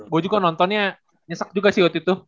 gue juga nontonnya nyesek juga sih waktu itu